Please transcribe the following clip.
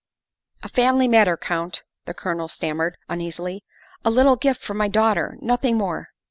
"A family matter, Count," the Colonel stammered uneasily, " a little gift from my daughter nothing more.